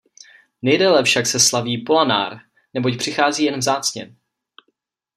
Nejdéle však se slaví Polanár, neboť přichází jen vzácně.